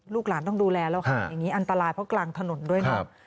ลูกหลานต้องดูแลแล้วค่ะอันตรายเพราะกลางถนนด้วย